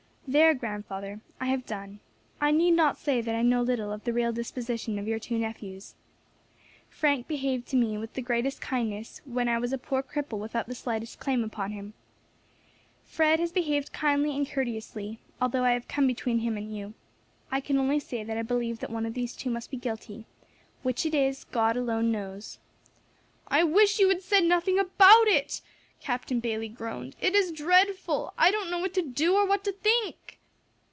There, grandfather, I have done. I need not say that I know little of the real disposition of your two nephews. Frank behaved to me with the greatest kindness when I was a poor cripple without the slightest claim upon him. Fred has behaved kindly and courteously, although I have come between him and you. I can only say that I believe that one of these two must be guilty; which it is, God alone knows." "I wish you had said nothing about it," Captain Bayley groaned, "it is dreadful; I don't know what to do or what to think."